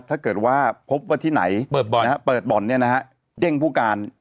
ถ้าเกิดว่าพบว่าที่ไหนเปิดบ่อนนะฮะเปิดบ่อนเนี่ยนะฮะเด้งผู้การ